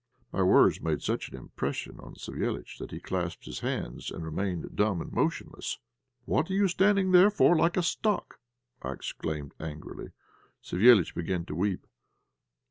My words made such an impression on Savéliitch that he clasped his hands and remained dumb and motionless. "What are you standing there for like a stock?" I exclaimed, angrily. Savéliitch began to weep.